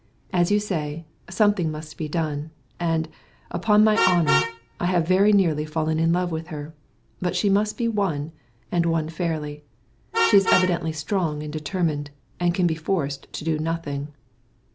As you say, something must be done, and, upon my honour, I have very nearly fallen in love with her. But she must be won, and won fairly. She is evidently strong and determined, and can be forced to do nothing."